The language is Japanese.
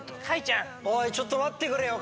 おいちょっと待ってくれよ！